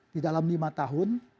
di dalam lima tahun